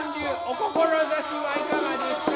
お志はいかがですか？